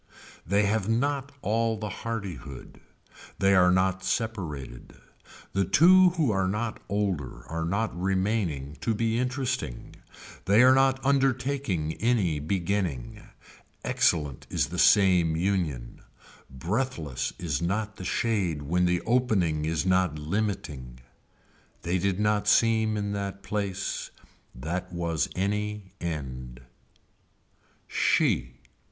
They have not all the hardihood. They are not separated. The two who are not older are not remaining to be interesting. They are not undertaking any beginning. Excellent is the same union. Breathless is not the shade when the opening is not limiting. They did not seem in that place. That was any end. She.